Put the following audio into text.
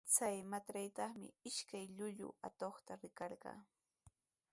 Chay matraytraqmi ishkay llullu atuqta rikarqaa.